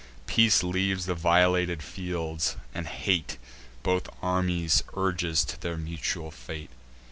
Peace leaves the violated fields, and hate Both armies urges to their mutual fate.